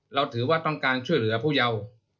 เราถือว่าต้องการช่วยเหลือผู้เยา